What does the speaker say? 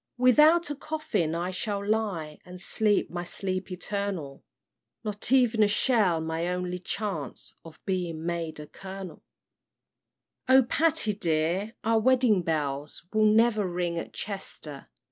"Without a coffin I shall lie And sleep my sleep eternal: Not ev'n a shell my only chance Of being made a Kernel! "O Patty dear, our wedding bells Will never ring at Chester!